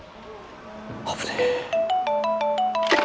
危ねえ。